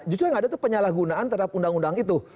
justru yang ada itu penyalahgunaan terhadap undang undang itu